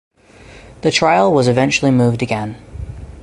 The trial was eventually moved again.